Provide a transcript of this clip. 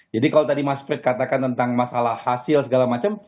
jadi kalau tadi mas prit katakan tentang masalah hasil segala macam